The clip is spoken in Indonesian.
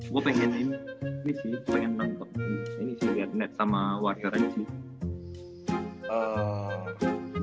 gue pengen ini ini sih pengen nangkep ini ini sih garnet sama warriors sih